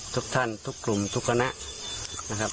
ทุกท่านทุกกลุ่มทุกคณะนะครับ